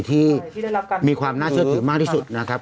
ที่มีความน่าเชื่อถือมากที่สุดนะครับ